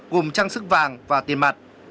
gồm trang sức vàng và tiền mặt